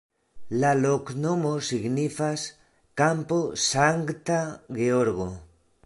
La loknomo signifas: kampo Sankta Georgo.